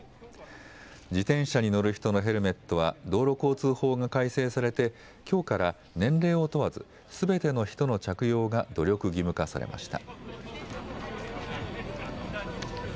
自転車に乗る人のヘルメットは道路交通法が改正されてきょうから年齢を問わずすべての人の着用が努力義務化されました。